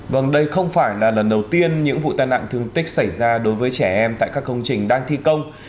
vâng đây không phải là lần đầu tiên những vụ tai nạn thương tích xảy ra đối với trẻ em tại các công trình đang thi công